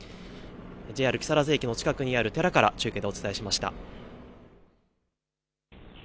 ＪＲ木更津駅の近くにある寺から中継でお伝えしました。